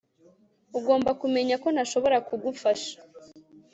Ugomba kumenya ko ntashobora kugufasha